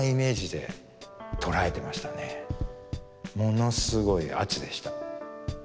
ものすごい圧でした。